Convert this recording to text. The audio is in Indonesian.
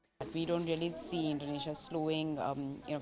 kita tidak melihat indonesia berperan